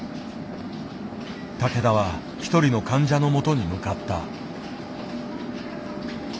竹田は一人の患者のもとに向かった。